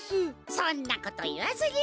そんなこといわずに。